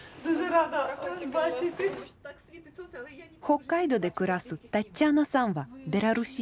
北海道で暮らすタッチャナさんはベラルーシ人。